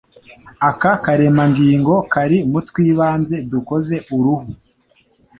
Aka karemangingo kari mutwibanze dukoze uruhu